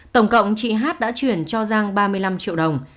tổng cộng chị hát đã chuyển cho giang ba mươi năm triệu đồng